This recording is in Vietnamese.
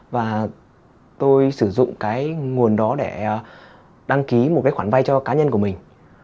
và tôi sử dụng cái nguồn đó để đăng ký một cái khoản vay cho cá nhân của mình